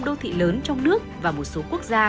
đô thị lớn trong nước và một số quốc gia